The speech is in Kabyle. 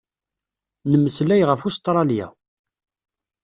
Nmeslay ɣef Ustṛalya.